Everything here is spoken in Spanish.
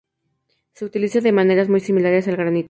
Se utiliza de maneras muy similares al granito.